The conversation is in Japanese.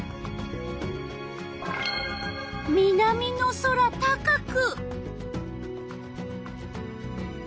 南の空高く。